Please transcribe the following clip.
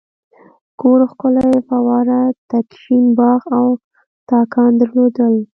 کور ښکلې فواره تک شین باغ او تاکان درلودل.